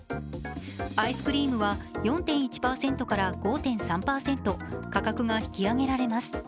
アイスクリームは、４．１％から５．３％、価格が引き上げられます。